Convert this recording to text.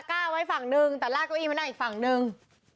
กล้าไว้ฝั่งนึงแต่ลากเก้าอี้มานั่งอีกฝั่งนึง